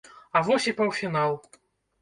А вось і паўфінал.